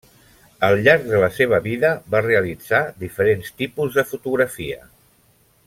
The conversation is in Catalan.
Al llarg de la seva vida va realitzar diferents tipus de fotografia.